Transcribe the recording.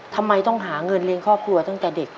ทำไมต้องหาเงินเลี้ยงครอบครัวตั้งแต่เด็ก